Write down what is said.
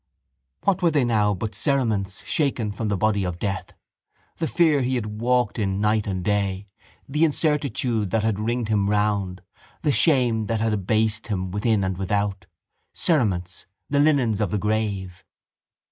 What were they now but cerements shaken from the body of death—the fear he had walked in night and day, the incertitude that had ringed him round, the shame that had abased him within and without—cerements, the linens of the grave?